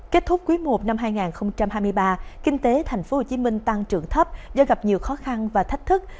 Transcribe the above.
kết thúc quý i năm hai nghìn hai mươi ba kinh tế tp hcm tăng trưởng thấp do gặp nhiều khó khăn và thách thức